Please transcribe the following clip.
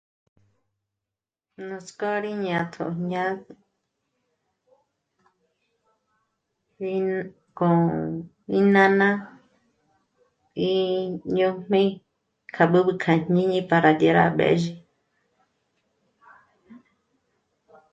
Nuts'k'ó rí jñátjo jñá'a rí nkö̀'ö mí nána y ñôjb'e kja b'ǚb'ü kja jñíni para dyá rá b'ë̂zhi